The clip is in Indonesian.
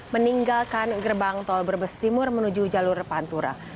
meninggalkan gerbang tol brebes timur menuju jalur pantura